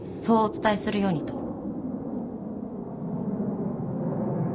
そうお伝えするようにと。